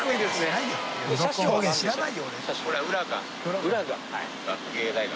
はい。